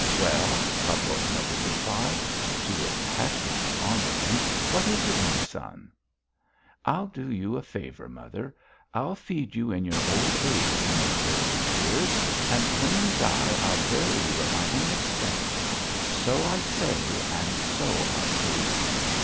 "Well," Karpovna would reply. She was passionately fond of him. "What is it, my son?" "I'll do you a favour, mother. I'll feed you in your old age in this vale of tears, and when you die I'll bury you at my own expense. So I say and so I'll do."